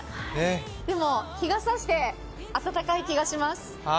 でも、日が差して暖かい気がしています。